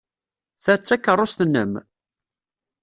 Ta d takeṛṛust-nnem?